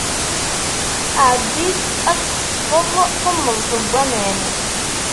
Ɛeddi-d ad d-teṭṭfeḍ tummeẓt n waman.